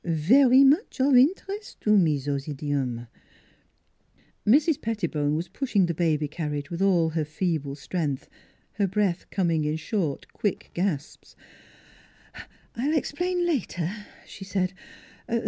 Vary much of interes' to me zose idiome." Mrs. Pettibone was pushing the baby carriage with all her feeble strength, her breath coming in short, quick gasps. " I will explain later," she said.